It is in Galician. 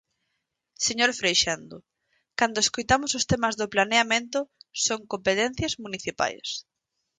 Señor Freixendo, cando escoitamos os temas do planeamento, son competencias municipais.